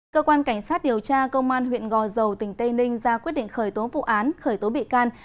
cơ quan cảnh sát điều tra công an huyện gò dầu tỉnh tây ninh ra quyết định khởi tố vụ án khởi tố bị can